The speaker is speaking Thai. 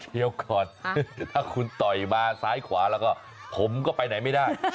เดี๋ยวก่อนถ้าคุณต่อยมาซ้ายขวาแล้วก็ผมก็ไปไหนไม่ได้